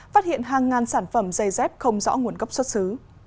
phát hiện hàng ngàn sản phẩm dây dép không rõ nguồn gốc xuất xứ